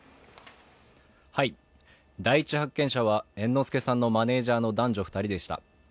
第１発見者は猿之助さんのマネージャーの男女２人でした。